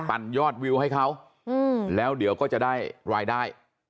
ยอดวิวให้เขาแล้วเดี๋ยวก็จะได้รายได้